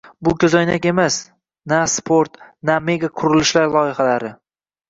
Va bu ko'zoynak emas, na sport, na mega qurilish loyihalari